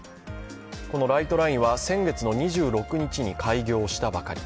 ライトラインは先月２６日に開業したばかり。